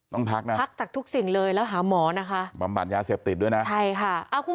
ต้องพักนะพักจากทุกสิ่งเลยแล้วหาหมอนะคะบำบัดยาเสพติดด้วยนะใช่ค่ะ